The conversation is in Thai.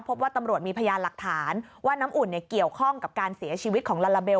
พบว่าตำรวจมีพยานหลักฐานว่าน้ำอุ่นเกี่ยวข้องกับการเสียชีวิตของลาลาเบล